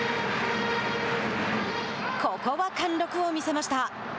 ここは貫禄を見せました。